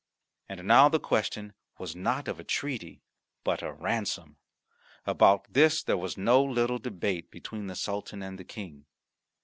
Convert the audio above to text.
And now the question was not of a treaty but a ransom. About this there was no little debate between the Sultan and the King.